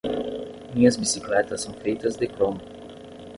Minhas bicicletas são feitas de cromo.